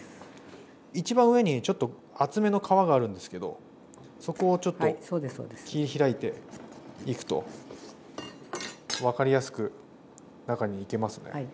一番上にちょっと厚めの皮があるんですけどそこをちょっと切り開いていくと分かりやすく中にいけますね。